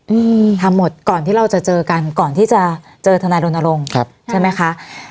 อืมทำหมดก่อนที่เราจะเจอกันก่อนที่จะเจอทนายรณรงค์ครับใช่ไหมคะ